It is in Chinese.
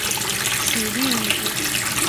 许力以。